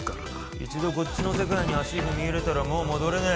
一度こっちの世界に足踏み入れたらもう戻れねえ！